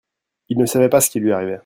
il ne savait pas ce qui lui arrivait.